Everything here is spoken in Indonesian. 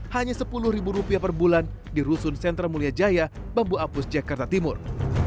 hanya sepuluh ribu rupiah per bulan di rusun sentra mulia jaya bambu apus jakarta timur